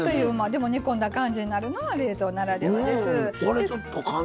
でも煮込んだ感じになるのが冷凍ならではです。